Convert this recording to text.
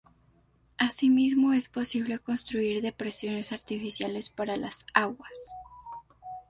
Asimismo, es posible construir depresiones artificiales para las aguas.